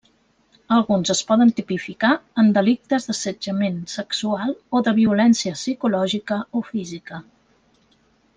Alguns es poden tipificar en delictes d'assetjament sexual o de violència psicològica o física.